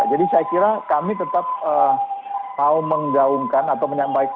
jadi saya kira kami tetap mau menggaungkan atau menyampaikan ulang